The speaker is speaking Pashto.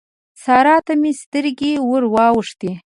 سارا ته مې سترګې ور واوښتې.